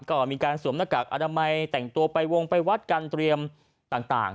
ก็มีการสวมหน้ากากอนามัยแต่งตัวไปวงไปวัดการเตรียมต่าง